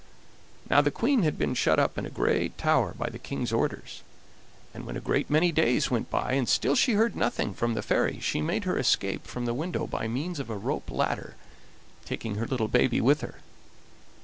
Now the Queen had been shut up in a great tower by the King's orders, and when a great many days went by and still she heard nothing from the Fairy she made her escape from the window by means of a rope ladder, taking her little baby with her.